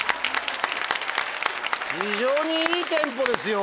非常にいいテンポですよ。